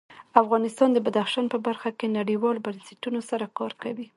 افغانستان د بدخشان په برخه کې نړیوالو بنسټونو سره کار کوي.